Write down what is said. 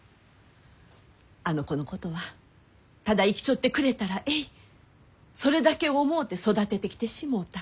あの子のことはただ生きちょってくれたらえいそれだけ思うて育ててきてしもうた。